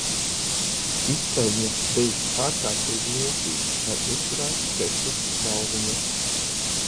Izpeļņa bija ārkārtīgi niecīga, lai uzturētu četras galviņas.